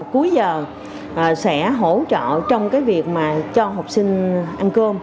cuối giờ sẽ hỗ trợ trong cái việc mà cho học sinh ăn cơm